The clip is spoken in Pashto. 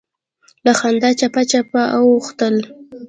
له خندا چپه چپه اوښتل.